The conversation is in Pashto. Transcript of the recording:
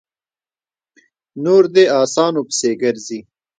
نور دې اسانو پسې ګرځي؛